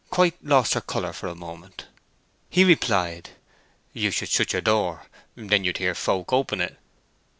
quite lost her color for a moment. He replied, "You should shut your door—then you'd hear folk open it."